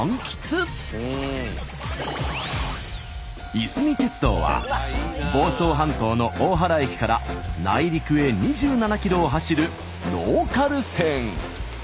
いすみ鉄道は房総半島の大原駅から内陸へ２７ｋｍを走るローカル線。